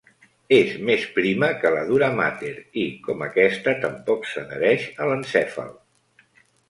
És més prima que la duramàter i, com aquesta, tampoc s’adhereix a l’encèfal.